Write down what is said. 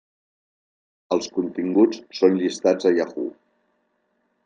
Els continguts són llistats a Yahoo!